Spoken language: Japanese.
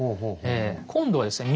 今度はですね